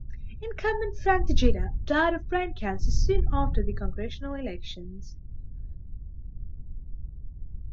Incumbent Frank Tejeda died of brain cancer soon after the congressional elections.